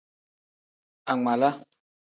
Angmaala.